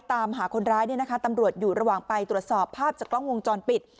ตามหาคนร้ายเนี่ยนะคะตำรวจอยู่ระหว่างไปตรวจสอบภาพจากกล้องวงจรปิด